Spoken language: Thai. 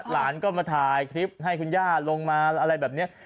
หลานก็มาถ่ายคลิปให้คุณย่าลงมาอะไรแบบนี้